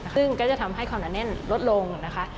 ซึ่งก็จะทำให้ความหนาแน่นลดลงนะคะ